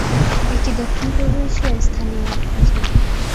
এটি দক্ষিণ-পূর্ব এশিয়ার স্থানীয় এক প্রজাতি।